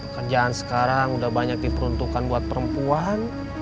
kerjaan sekarang udah banyak diperuntukkan buat perempuan